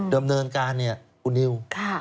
เดิมเนินการเนี่ยอุนิว